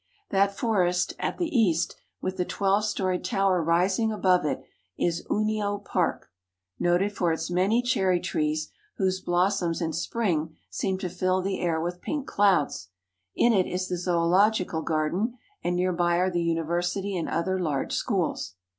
That forest at the east with the twelve storied tower rising above it is Ueno Park, noted for its many cherry trees whose blossoms in spring seem to fill the air with pink clouds. In it is the zoological garden, and near by are the University and other large schools.